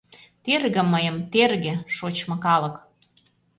Терге мыйым, терге, шочмо калык!